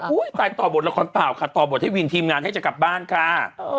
ตายต่อบทละครเปล่าค่ะต่อบทให้วินทีมงานให้จะกลับบ้านค่ะ